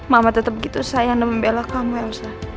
mama tetap begitu sayang dan membela kamu elsa